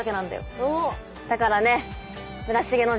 だからね。